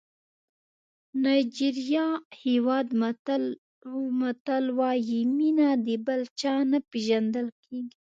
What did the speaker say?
نایجېریا هېواد متل وایي مینه د بل چا نه پېژندل کېږي.